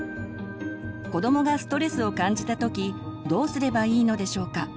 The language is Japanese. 子どもがストレスを感じた時どうすればいいのでしょうか。